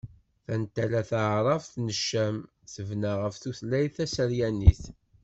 Tantala taɛrabt n Ccam tebna ɣef tutlayt taseryanit.